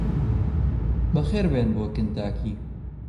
بەخێربێن بۆ کنتاکی!